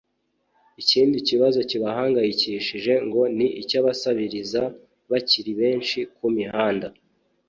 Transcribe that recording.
Ikindi kibazo kibahangayikishije ngo ni icy’abasabiriza bakiri benshi ku mihanda